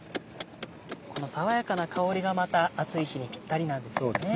この爽やかな香りがまた暑い日にピッタリなんですよね。